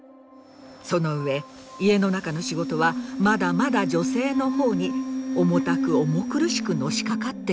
その上家の中の仕事はまだまだ女性の方に重たく重苦しくのしかかってきます。